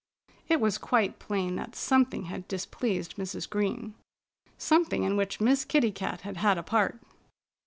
It was quite plain that something had displeased Mrs. Green something in which Miss Kitty Cat had had a part.